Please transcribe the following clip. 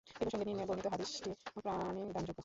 এ প্রসঙ্গে নিম্নে বর্ণিত হাদীসটি প্রণিধানযোগ্য।